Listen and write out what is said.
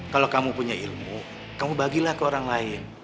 kalau kamu punya ilmu kamu bagilah ke orang lain